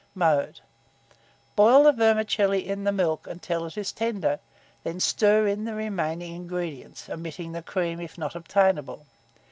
Mode. Boil the vermicelli in the milk until it is tender; then stir in the remaining ingredients, omitting the cream, if not obtainable.